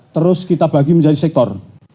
terus kita bagi menjadi sektor